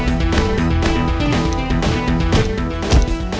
yang lain ikut gua kita hajar dia